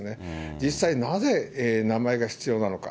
実際、なぜ名前が必要なのか。